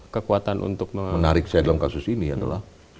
kekuatan untuk menarik saya dalam kasus ini adalah